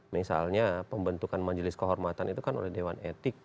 misalnya pembentukan majelis kehormatan itu kan oleh dewan etik